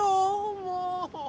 もう。